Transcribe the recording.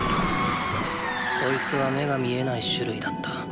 そいつは目が見えない種類だった。